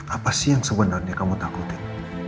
apa sih yang sebenarnya kamu takutin